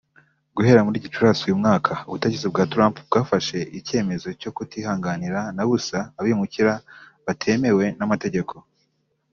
Guhera muri Gicurasi uyu mwaka ubutegetsi bwa Trump bwafashe icyemezo cyo kutihanganira na busa abimukira batemewe n’amategeko